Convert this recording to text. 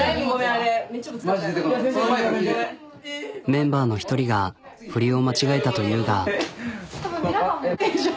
メンバーの１人が振りを間違えたというが。